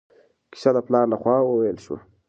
کیسه د پلار له خوا وویل شوه.